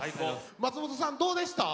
松本さんどうでした？